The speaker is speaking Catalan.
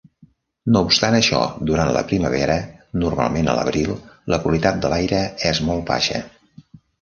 No obstant això, durant la primavera, normalment a l'abril, la qualitat de l'aire és molt baixa.